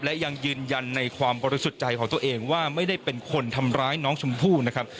และยังยืนยันในความบริสุทธิ์ใจของตัวเองว่าไม่ได้เป็นคนทำร้ายน้องชมพู่นะครับ